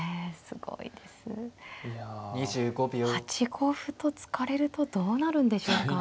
８五歩と突かれるとどうなるんでしょうか。